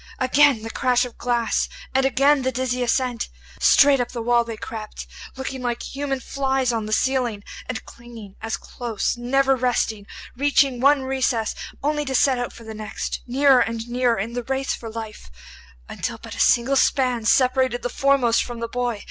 Again the crash of glass, and again the dizzy ascent. Straight up the wall they crept, looking like human flies on the ceiling, and clinging as close, never resting, reaching one recess only to set out for the next; nearer and nearer in the race for life, until but a single span separated the foremost from the boy.